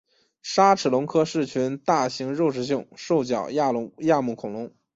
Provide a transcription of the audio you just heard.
鲨齿龙科是群大型肉食性兽脚亚目恐龙。